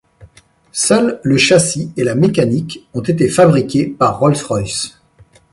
Seul le châssis et la mécanique ont été fabriqués par Rolls-Royce.